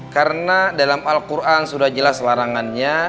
karena dalam al quran sudah jelas larangannya